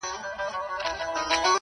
هره تجربه یو نوی دریځ ورکوي’